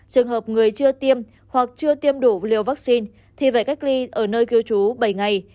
trường hợp người chưa tiêm hoặc chưa tiêm đủ liều vaccine thì phải cách ly ở nơi cư trú bảy ngày